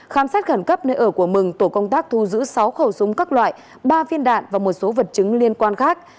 khám xét khẩn cấp nơi ở của mừng tổ công tác thu giữ sáu khẩu súng các loại ba viên đạn và một số vật chứng liên quan khác